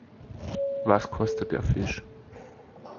Was kostet der Fisch?